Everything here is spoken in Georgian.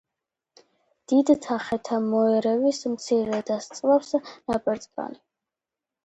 დიდთა ხეთა მოერევის, მცირე დასწვავს ნაპერწკალი